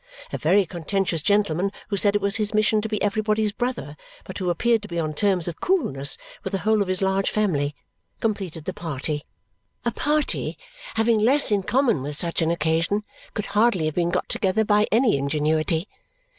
A very contentious gentleman, who said it was his mission to be everybody's brother but who appeared to be on terms of coolness with the whole of his large family, completed the party. A party, having less in common with such an occasion, could hardly have been got together by any ingenuity.